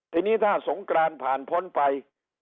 ทีนี้ถ้าสงกรานผ่านพ้นไป